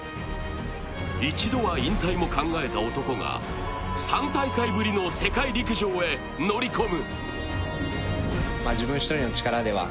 一度は引退も考えた男が、３大会ぶりの世界陸上へ乗り込む。